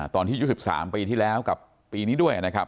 ตอนที่ยุค๑๓ปีที่แล้วกับปีนี้ด้วย